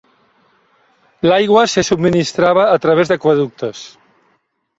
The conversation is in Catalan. L'aigua se subministrava a través d'aqüeductes.